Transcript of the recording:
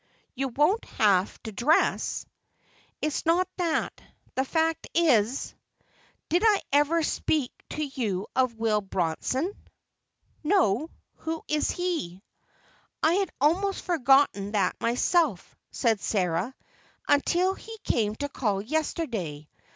You won't have to dress." "It's not that. The fact is—Did I ever speak to you of Will Bronson?" "No, who is he?" "I had almost forgotten that myself," said Sarah, "until he came to call yesterday.